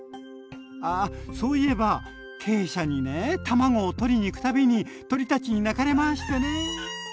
あそういえば鶏舎にね卵を取りに行くたびに鶏たちに鳴かれましてね。